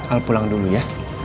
al pulang dulu ya